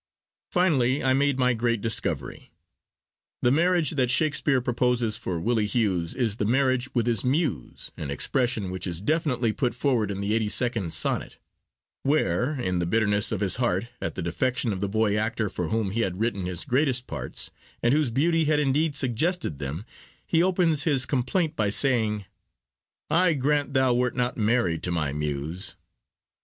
Finally I made my great discovery. The marriage that Shakespeare proposes for Willie Hughes is the marriage with his Muse, an expression which is definitely put forward in the 82nd Sonnet, where, in the bitterness of his heart at the defection of the boy actor for whom he had written his greatest parts, and whose beauty had indeed suggested them, he opens his complaint by saying— I grant thou wert not married to my Muse.